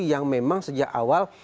yang memang sejak awal